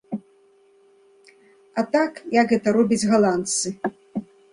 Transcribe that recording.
А так, як гэта робяць галандцы?